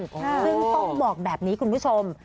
ซึ่งต้องบอกแบบนี้คุณผู้ชม